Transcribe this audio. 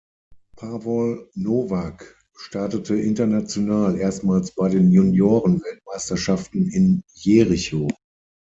Pavol Novák startete international erstmals bei den Juniorenweltmeisterschaften in Jericho.